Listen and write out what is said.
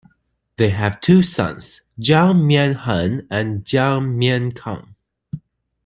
They have two sons, Jiang Mianheng and Jiang Miankang.